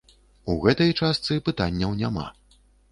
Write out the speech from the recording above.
У гэтай частцы пытанняў няма.